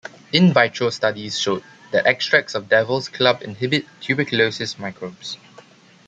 "In vitro" studies showed that extracts of Devil's Club inhibit tuberculosis microbes.